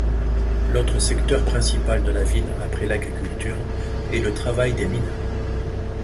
L'autre secteur principal de la ville après l'agriculture est le travail des mines.